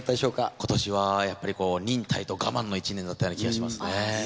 今年はやっぱり忍耐と我慢の一年だったような気がしますね。